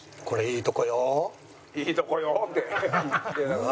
「いいとこよ」って。